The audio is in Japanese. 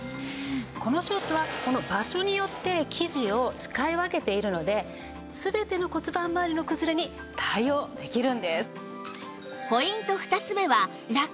このショーツは場所によって生地を使い分けているので全ての骨盤まわりの崩れに対応できるんです。